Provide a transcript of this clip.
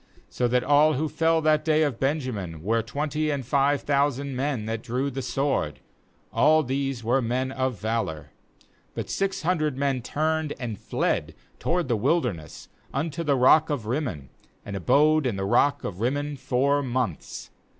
46So that all who fell that day of Benjamin were twenty and five thousand men that drew the sword; all these were men of valour. 47But six hundred men turned and fled toward the wilderness unto the rock of Rimmon, and abode in the rock of Rimmon four months.